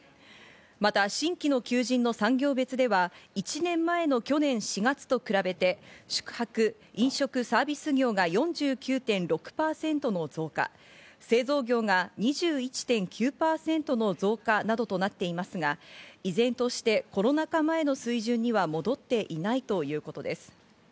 また新規の求人の産業別では、１年前の去年４月と比べて宿泊・飲食サービス業が４９．６％の増加、製造業が２１．９％の増加などとなっていますが、依然としてコロナ禍前の水準には戻っていないということです。